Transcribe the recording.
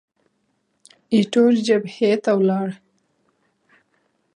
ایټور جبهې ته ولاړ.